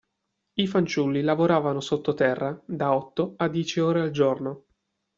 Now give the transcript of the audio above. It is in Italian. I fanciulli lavoravano sottoterra da otto a dieci ore al giorno.